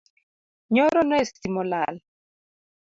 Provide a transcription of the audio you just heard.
Nyoro ne stima olal